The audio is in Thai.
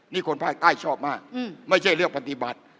นี่คนภาคใต้ชอบมากไม่ใช่เรื่องปฏิบัติ